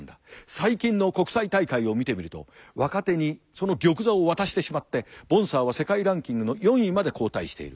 最近の国際大会を見てみると若手にその玉座を渡してしまってボンサーは世界ランキングの４位まで後退している。